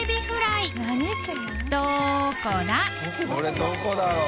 これどこだろう？